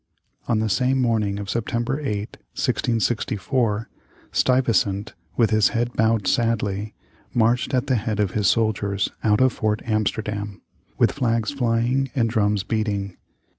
On this same morning of September 8, 1664, Stuyvesant, with his head bowed sadly, marched at the head of his soldiers out of Fort Amsterdam, with flags flying and drums beating.